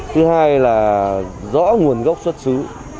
thứ hai là rõ nguồn gốc xuất xứ